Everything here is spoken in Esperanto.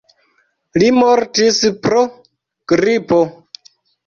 Li mortis pro gripo.